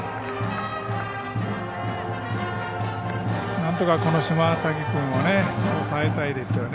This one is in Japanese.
なんとか、島瀧君を抑えたいですよね。